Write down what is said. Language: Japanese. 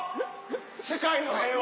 世界の平和！